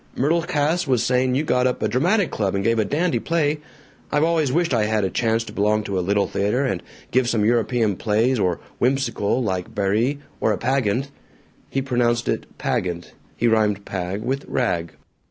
Myrtle Cass was saying you got up a dramatic club and gave a dandy play. I've always wished I had a chance to belong to a Little Theater, and give some European plays, or whimsical like Barrie, or a pageant." He pronounced it "pagent"; he rhymed "pag" with "rag."